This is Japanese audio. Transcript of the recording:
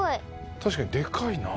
確かにでかいな。